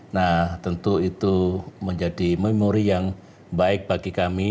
nah tentu itu menjadi memori yang baik bagi kami